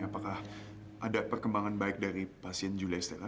apakah ada perkembangan baik dari pasien juli estela